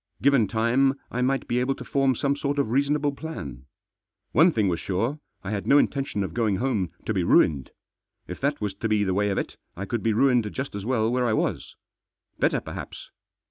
Given time I might be able to form some sort of reasonable plan. One thing was sure, I had no intention of going home to be ruined. If that was to be the way of it, I could be ruined just as well where I was. Better perhaps.